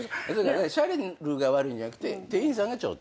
シャネルが悪いんじゃなくて店員さんがちょっと。